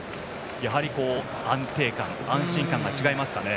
やはり安定感、安心感が違いますかね。